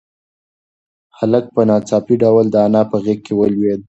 هلک په ناڅاپي ډول د انا په غېږ کې ولوېد.